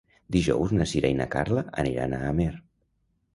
Dijous na Sira i na Carla aniran a Amer.